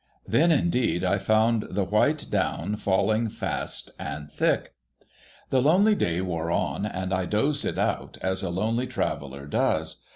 Then, indeed, I found the white down falling fast and thick. The lonely day wore on, and I dozed it out, as a lonely traveller does.